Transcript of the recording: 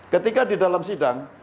ketika di dalam sidang